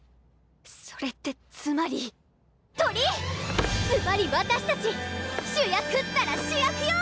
それってつまりトリ⁉ズバリ私たち主役ったら主役よ！